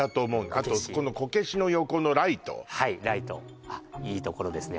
あとこけしの横のライトはいライトあっいいところですね